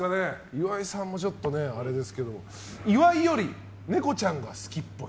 岩井さんもちょっとあれですけど岩井よりネコちゃんが好きっぽい。